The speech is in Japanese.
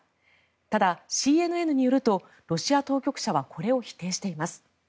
ただ、ＣＮＮによるとロシア当局者はこれを否定しています。